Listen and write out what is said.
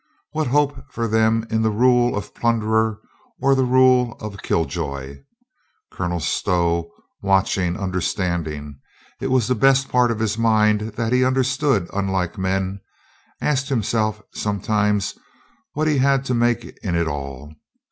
What hope for them in the rule of plunderer or the rule of killjoy? Colonel Stow, watching, understanding — it was the best part of his mind that he understood unlike men — asked himself sometimes what he had to make in it all.